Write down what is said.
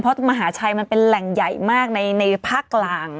เพราะว่าตลาดกุ้งมหาชัยมันเป็นแหล่งใหญ่มากในภาคกลาง